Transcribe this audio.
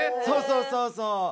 そうそうそうそう。